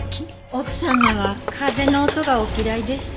奥様は風の音がお嫌いでした。